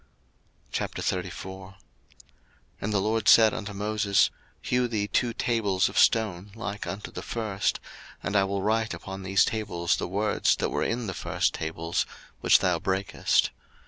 02:034:001 And the LORD said unto Moses, Hew thee two tables of stone like unto the first: and I will write upon these tables the words that were in the first tables, which thou brakest.